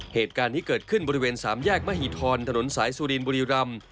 เหตุการณ์ที่เกิดขึ้นบริเวณสามแยกมหิธรถนนสายสุรินบุรีรำ